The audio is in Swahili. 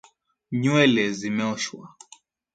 Nywele zimeoshwa